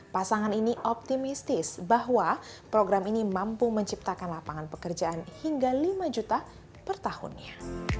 pasangan ini optimistis bahwa program ini mampu menciptakan lapangan pekerjaan hingga lima juta per tahunnya